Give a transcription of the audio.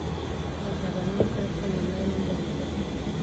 مهرباني وکړئ خپل لمړی نوم ولیکئ